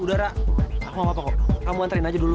udah ra aku gak apa apa kamu antarin aja dulu